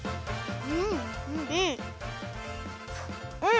うん！